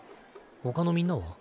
ほかのみんなは？